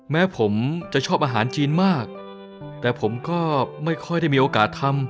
แม้ผมจะชอบอาหารจีนมากแต่ผมก็ไม่ค่อยได้มีโอกาสทำ